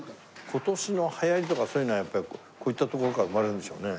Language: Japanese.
今年の流行りとかそういうのはやっぱりこういったところから生まれるんでしょうね。